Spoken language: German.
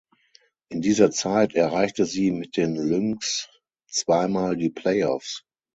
In dieser Zeit erreichte sie mit den Lynx zweimal die Play-offs.